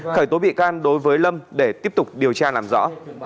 khởi tố bị can đối với lâm để tiếp tục điều tra làm rõ